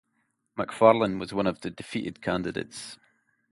Macfarlan was one of the defeated candidates.